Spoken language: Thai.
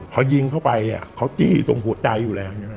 พอยิงเข้าไปเขาจี้ตรงหัวใจอยู่แล้วใช่ไหม